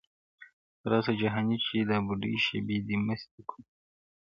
راسه جهاني چي دا بوډۍ شېبې دي مستي کو -